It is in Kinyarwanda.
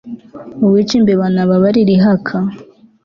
uwica imbeba ntababarira ihaka